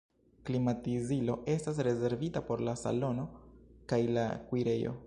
Klimatizilo estas rezervita por la salono kaj la kuirejo.